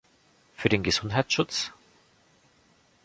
Für den Gesundheitsschutz?